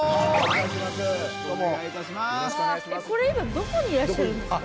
えっこれ今どこにいらっしゃるんですか？